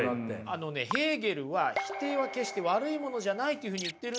あのねヘーゲルは否定は決して悪いものじゃないというふうに言ってるんですよ。